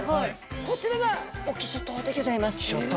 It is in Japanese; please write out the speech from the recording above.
こちらが隠岐諸島でギョざいます。